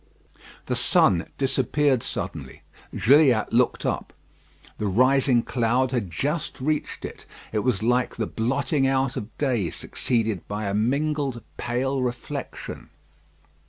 The sun disappeared suddenly. Gilliatt looked up. The rising cloud had just reached it. It was like the blotting out of day, succeeded by a mingled pale reflection.